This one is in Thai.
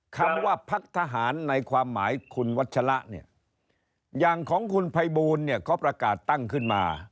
คำว่าพักทหารในความหมายคุณวัชละเนี่ยอย่างของคุณภัยบูลเนี่ยเขาประกาศตั้งขึ้นมา